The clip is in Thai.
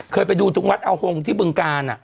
เคยไปดูตรงวัดเอาโฮงที่บึงกาล